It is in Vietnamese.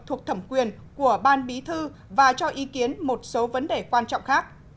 thuộc thẩm quyền của ban bí thư và cho ý kiến một số vấn đề quan trọng khác